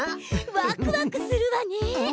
ワクワクするわね！